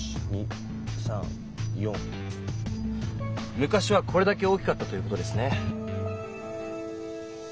昔はこれだけ大きかったという事ですね。